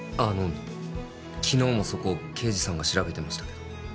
あの昨日もそこ刑事さんが調べてましたけど。